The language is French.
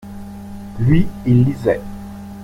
Lui, il lisait.